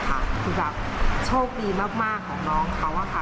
คือแบบโชคดีมากของน้องเขาค่ะ